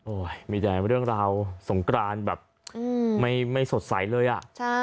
มีแต่เรื่องราวสงกรานแบบไม่สดใสเลยอ่ะ